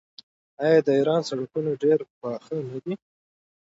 آیا د ایران سړکونه ډیر پاخه نه دي؟